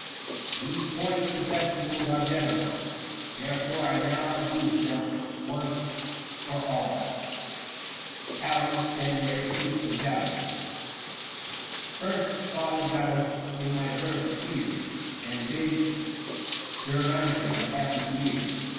These points to Festivals are general Therefore I now adduce them once for all. KAL. JAN. FEAST OF JANUS. First, Father Janus, in my verse appear 70 And bid Germanicus a happy year.